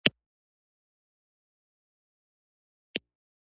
په دې دعا کې بنده رب ته لاسونه لپه کړي.